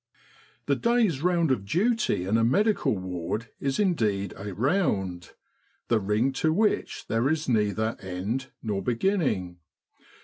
"The day's round of duty in a medical ward is indeed a round the ring to which there is neither end nor beginning.